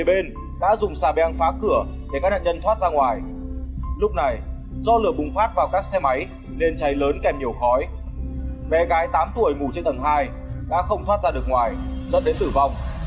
bé gái tám tuổi ngủ trên tầng hai đã không thoát ra được ngoài dẫn đến tử vong